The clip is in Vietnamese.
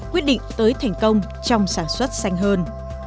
quyết định tới thành công trong sản xuất xanh hơn